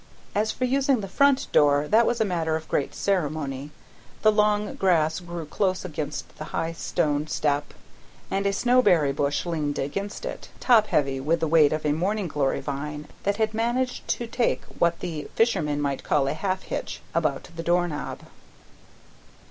As for using the front door, that was a matter of great ceremony; the long grass grew close against the high stone step, and a snowberry bush leaned over it, top heavy with the weight of a morning glory vine that had managed to take what the fishermen might call a half hitch about the door knob.